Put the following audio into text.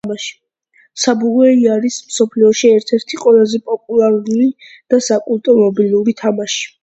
Subway Surfers არის მსოფლიოში ერთ-ერთი ყველაზე პოპულარული და საკულტო მობილური თამაში